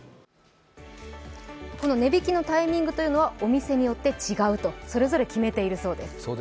値引きのタイミングはお店によって違うと、それぞれ決めているそうです。